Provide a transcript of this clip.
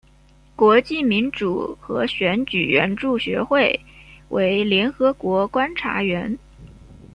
国际民主和选举援助学会为联合国观察员。